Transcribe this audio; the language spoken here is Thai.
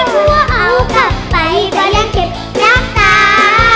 พวกกูกลับไปไปเลี้ยงเก็บยากตา